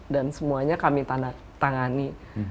dan semuanya kami tangani